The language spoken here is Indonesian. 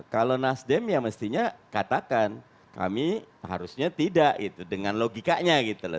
kalau nasdem ya mestinya katakan kami harusnya tidak gitu dengan logikanya gitu loh